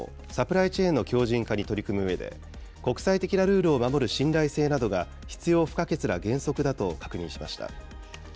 共同声明によりますと、各国は原材料などの供給網・サプライチェーンの強じん化に取り組むうえで、国際的なルールを守る信頼性などが必要不可欠な原則だと確認しました。